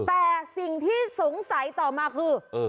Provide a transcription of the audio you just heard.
แต่สิ่งที่สงสัยต่อมาคือ